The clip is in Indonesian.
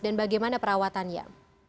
dan bagaimana perawatannya